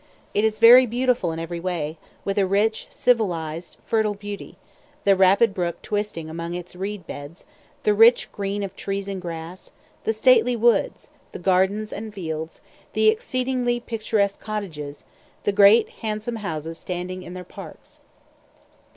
It is very beautiful in every way, with a rich, civilized, fertile beauty the rapid brook twisting among its reed beds, the rich green of trees and grass, the stately woods, the gardens and fields, the exceedingly picturesque cottages, the great handsome houses standing in their parks.